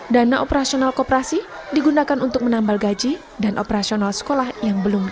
dana operasional kooperasi digunakan untuk menambal gaji dan operasional sekolah yang belum selesai